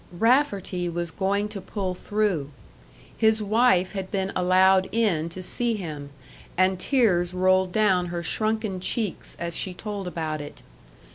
Rafferty was going to pull through. His wife had been allowed in to see him, and tears rolled down her shrunken cheeks as she told about it.